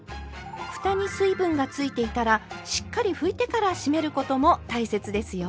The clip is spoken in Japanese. ふたに水分がついていたらしっかり拭いてから閉めることも大切ですよ。